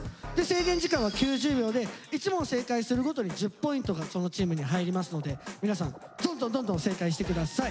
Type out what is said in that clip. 制限時間は９０秒で１問正解するごとに１０ポイントがそのチームに入りますので皆さんどんどんどんどん正解して下さい。